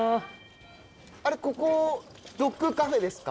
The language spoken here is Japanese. ここドッグカフェですか？